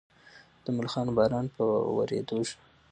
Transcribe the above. د ملخانو باران په ورېدو شو.